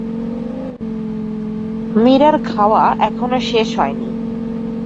মীরার খাওয়া এখনো শেষ হয় নি।